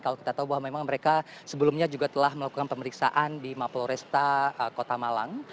kalau kita tahu bahwa memang mereka sebelumnya juga telah melakukan pemeriksaan di mapoloresta kota malang